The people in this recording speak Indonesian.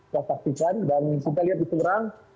dan juga kita lihat di seberang